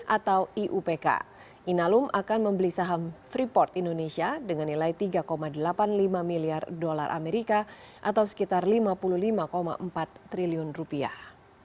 atau iupk inalum akan membeli saham freeport indonesia dengan nilai tiga delapan puluh lima miliar dolar amerika atau sekitar lima puluh lima empat triliun rupiah